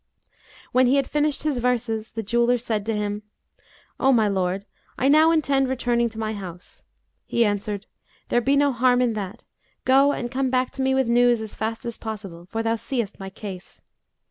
'" When he had finished his verses, the jeweller said to him, "O my lord, I now intend returning to my house." He answered, "There be no harm in that; go and come back to me with news as fast as possible, for thou seest my case."